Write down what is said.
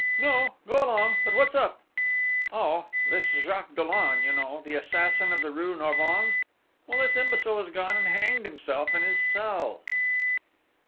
"No, go along! But what's up?" "Oh ... this Jacques Dollon, you know, the assassin of the rue Norvins? Well, this imbecile has gone and hanged himself in his cell!"